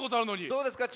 どうですか？